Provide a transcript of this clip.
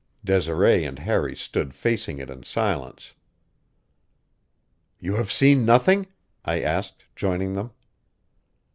Desiree and Harry stood facing it in silence. "You have seen nothing?" I asked, joining them.